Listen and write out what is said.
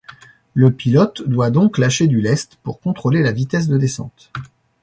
Le pilote doit donc lâcher du lest pour contrôler la vitesse de descente.